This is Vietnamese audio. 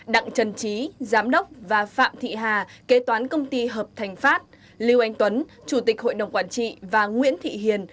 đặng trần trí giám đốc và phạm thị hà kế toán công ty hợp thành pháp lưu anh tuấn chủ tịch hội đồng quản trị và nguyễn thị hiền